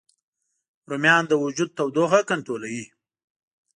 رومیان د وجود تودوخه کنټرولوي